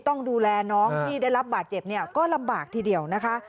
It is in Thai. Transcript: ต้องดูแลน้องที่ได้รับบาดเจ็บเนี่ยก็ลำบากทีเดียวนะคะ